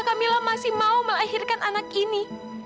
kamila masih mau melahirkan anak ini